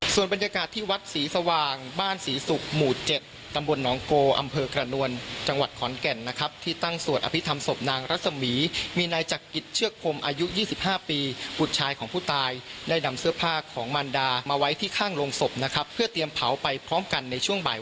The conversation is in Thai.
ส่วนบรรยากาศที่วัดศรีสว่างบ้านศรีศุกร์หมู่๗ตำบลหนองโกอำเภอกระนวลจังหวัดขอนแก่นนะครับที่ตั้งสวดอภิษฐรรมศพนางรัศมีมีนายจักริตเชือกพรมอายุ๒๕ปีบุตรชายของผู้ตายได้นำเสื้อผ้าของมันดามาไว้ที่ข้างโรงศพนะครับเพื่อเตรียมเผาไปพร้อมกันในช่วงบ่าย